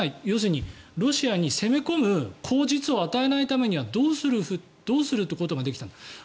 要するにロシアに攻め込む口実を与えるためにはどうするってことができたのか。